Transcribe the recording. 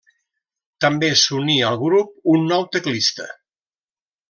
També s'uní al grup un nou teclista: